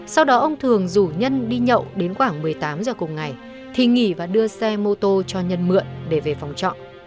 sau đó ông thường rủ nhân đi nhậu đến khoảng một mươi tám giờ cùng ngày thì nghỉ và đưa xe mô tô cho nhân mượn để về phòng trọ